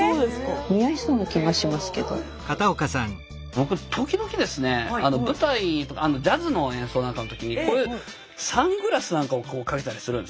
僕時々ですね舞台ジャズの演奏なんかの時にサングラスなんかをこうかけたりするんですね。